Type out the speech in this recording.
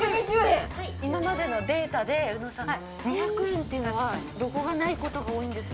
今までのデータでうのさん２００円っていうのはロゴがないことが多いんです。